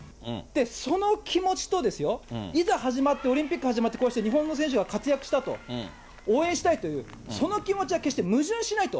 その気持ちとですよ、いざ始まって、オリンピック始まって、こうして日本の選手が活躍したと、応援したいという、その気持ちは決して矛盾しないと。